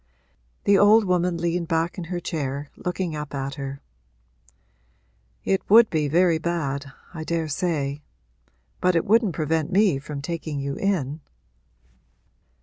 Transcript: The old woman leaned back in her chair, looking up at her. 'It would be very bad, I daresay. But it wouldn't prevent me from taking you in.'